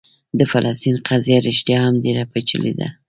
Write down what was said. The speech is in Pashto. د فلسطین قضیه رښتیا هم ډېره پېچلې ده.